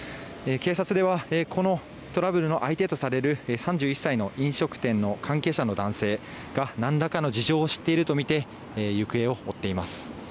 警察では、このトラブルの相手とされる３１歳の飲食店の関係者の男性が何らかの事情を知っているとみて行方を追っています。